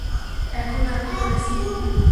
এখন আমি করেছি।